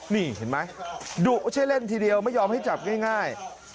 นี่เห็นไหมดุไม่ใช่เล่นทีเดียวไม่ยอมให้จับง่าย